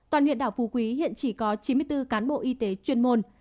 toàn huyện đảo phú quý hiện chỉ có chín mươi bốn cán bộ y tế chuyên môn